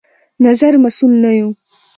نظر مسوول نه يو